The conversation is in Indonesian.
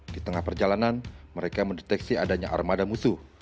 di tengah perjalanan mereka mendeteksi adanya armada musuh